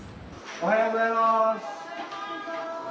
・おはようございます。